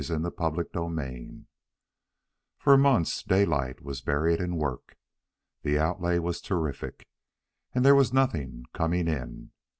CHAPTER XVII For months Daylight was buried in work. The outlay was terrific, and there was nothing coming in.